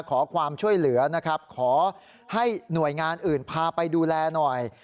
ขอความช่วยเหลือนะครับขอให้หน่วยงานอื่นพาไปดูแลหน่อย